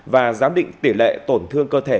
và giám định tỉ lệ tổn thương cơ thể